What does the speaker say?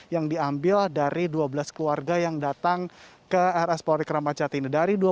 yang diambil dari dua belas keluarga yang datang ke rs polri kramacati ini